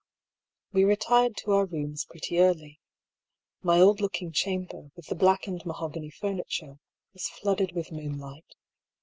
We retired to our rooms pretty early. My old looking chamber, with the blackened mahogany furni ture, was flooded with moonlight.